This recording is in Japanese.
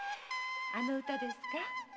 〔あの歌ですか？〕